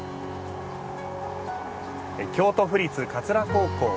京都府立桂高校。